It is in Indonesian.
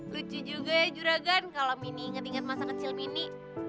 lucu juga ya juragan kalo mini inget inget masa kecil mini